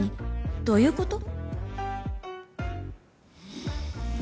どういうこと？